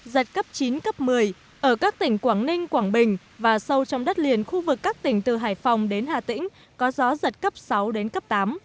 giật cấp chín cấp một mươi ở các tỉnh quảng ninh quảng bình và sâu trong đất liền khu vực các tỉnh từ hải phòng đến hà tĩnh có gió giật cấp sáu đến cấp tám